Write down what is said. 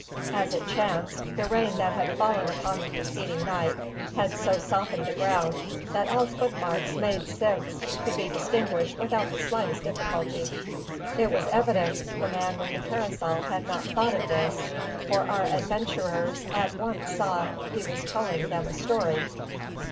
As it chanced, the rain that had fallen upon the preceding night had so softened the ground that all footmarks made since could be distinguished without the slightest difficulty. It was evident the man with the parasol had not thought of this; for our adventurers at once saw that he was telling them a story.